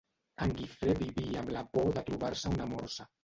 En Gifré vivia amb la por de trobar-se una morsa.